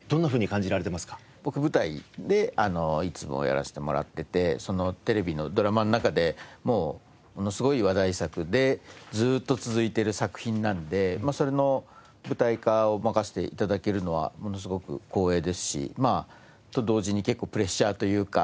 僕舞台でいつもやらせてもらっていてテレビのドラマの中でもうものすごい話題作でずーっと続いている作品なのでそれの舞台化を任せて頂けるのはものすごく光栄ですしと同時に結構プレッシャーというか。